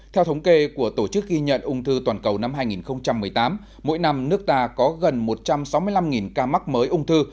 theo thống kê của tổ chức ghi nhận ung thư toàn cầu năm hai nghìn một mươi tám mỗi năm nước ta có gần một trăm sáu mươi năm ca mắc mới ung thư